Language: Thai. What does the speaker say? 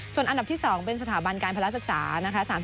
ส่วนอันดับที่๒เป็นสถาบันการภาระศึกษานะคะ